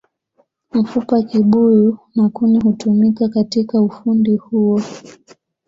Mfupa kibuyu na kuni hutumika katika ufundi huo